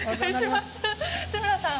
津村さん